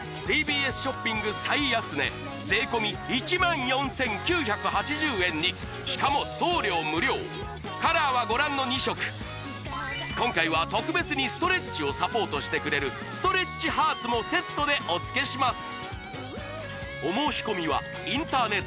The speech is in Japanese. ＴＢＳショッピング最安値税込１４９８０円にしかも送料無料カラーはご覧の２色今回は特別にストレッチをサポートしてくれるストレッチハーツもセットでお付けします